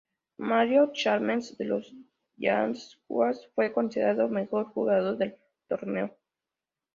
Mario Chalmers, de los Jayhawks, fue considerado Mejor Jugador del Torneo.